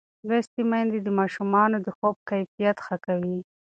لوستې میندې د ماشومانو د خوب کیفیت ښه کوي.